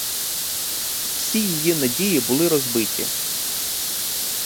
Всі її надії були розбиті.